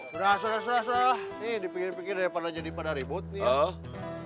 sudah sudah sudah sudah nih dipikir pikir daripada jadi pada ribut nih